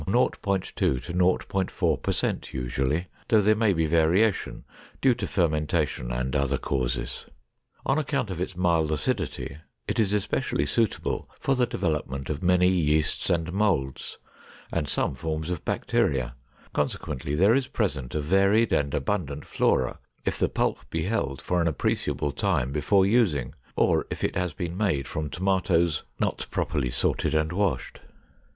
2 to 0.4 per cent usually, though there may be variation due to fermentation and other causes. On account of its mild acidity, it is especially suitable for the development of many yeasts and molds, and some forms of bacteria, consequently there is present a varied and abundant flora if the pulp be held for an appreciable time before using, or if it has been made from tomatoes not properly sorted and washed.